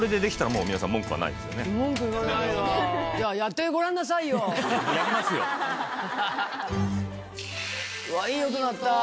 うわっいい音鳴った。